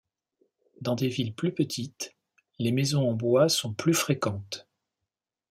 Dans des villes plus petites, les maisons en bois sont plus fréquentes.